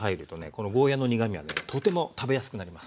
このゴーヤーの苦みがねとても食べやすくなります。